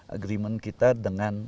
agreement kita dengan